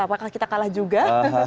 apakah kita kalah juga